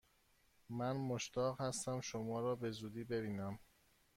من مشتاق هستم شما را به زودی ببینم!